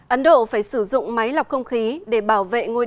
ấn độ phải sử dụng máy lọc không khí để bảo vệ bức tường berlin